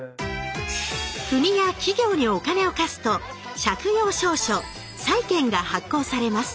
国や企業にお金を貸すと借用証書「債券」が発行されます。